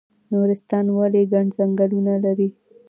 نورستان ولې ګڼ ځنګلونه لري؟